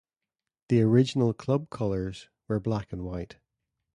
The original club colours were black and white.